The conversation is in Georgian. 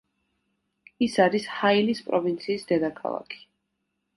ის არის ჰაილის პროვინციის დედაქალაქი.